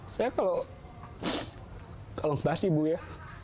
saya kalau kalau bahas ibu ya